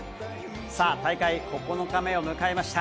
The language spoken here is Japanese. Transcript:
さあ、大会９日目を迎えました。